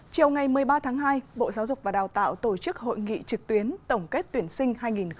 chiều ngày một mươi ba tháng hai bộ giáo dục và đào tạo tổ chức hội nghị trực tuyến tổng kết tuyển sinh hai nghìn một mươi chín